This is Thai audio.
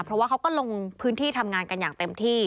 เพราะว่าเขาก็ลงพื้นที่ทำงานกันอย่างเต็มที่